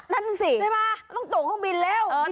นั่นสิตัวข้างบินแล้ว